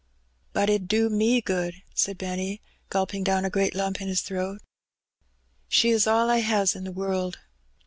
"But it 'ud do me good," said Benny, gulping down a great lump in his throat. " She is all I has in the world."